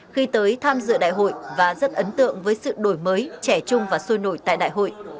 khi tới tham dự đại hội và rất ấn tượng với sự đổi mới trẻ trung và sôi nổi tại đại hội